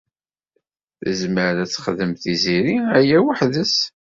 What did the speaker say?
Tezmer ad texdem Tiziri aya weḥd-s?